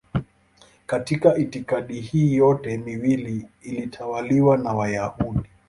Katika itikadi hii yote miwili ilitawaliwa na Wayahudi.